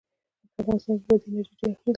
په افغانستان کې بادي انرژي ډېر اهمیت لري.